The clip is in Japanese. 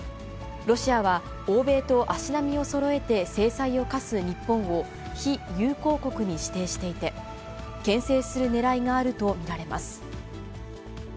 ロシアは、欧米と足並みをそろえて制裁を科す日本を、非友好国に指定していて、けん制するねらいがあると見られます。